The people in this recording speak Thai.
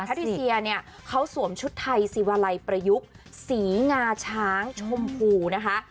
ริเซียเนี่ยเขาสวมชุดไทยสิวาลัยประยุกต์สีงาช้างชมพูนะคะ